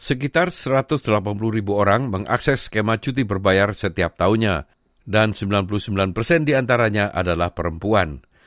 sekitar satu ratus delapan puluh ribu orang mengakses skema cuti berbayar setiap tahunnya dan sembilan puluh sembilan persen diantaranya adalah perempuan